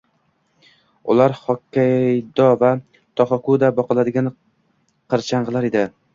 Ular Xokkaydo va Toxokuda boqiladigan qirchang`ilar edi